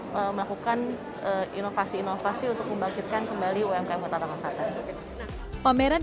melakukan inovasi inovasi untuk membangkitkan kembali umkm kota tangerang selatan pameran